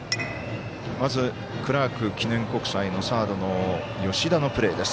まず、クラーク記念国際のサードの吉田のプレー。